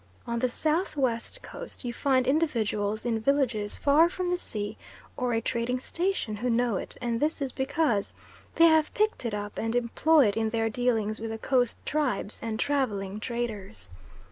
On the south west Coast you find individuals in villages far from the sea, or a trading station, who know it, and this is because they have picked it up and employ it in their dealings with the Coast tribes and travelling traders.